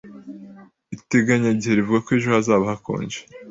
Iteganyagihe rivuga ko ejo hazaba hakonje